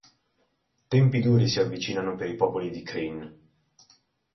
Tempi duri si avvicinano per i popoli di Krynn.